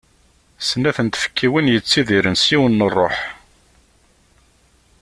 Snat n tfekkiwin yettidiren s yiwen n rruḥ.